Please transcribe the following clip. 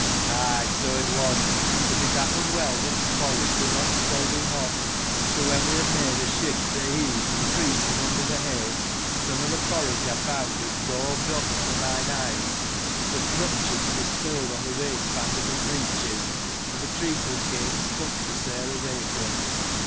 — Ay, so it was ; but it happened well that th' por ridge were not scalding hot : for when we had made a shift to heave, and creep from under the hay, some of the porridge I found had daubed up one of min? eyes, the thrutchins were spil led on the waist band of my breeches, and th' treacle cake stuck to Sarah's apron.